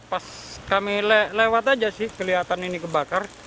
pas kami lewat aja sih kelihatan ini kebakar